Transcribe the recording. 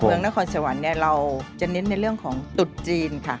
เมืองนครสวรรค์เราจะเน้นในเรื่องของตุดจีนค่ะ